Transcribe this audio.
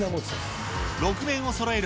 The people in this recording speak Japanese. ６面をそろえる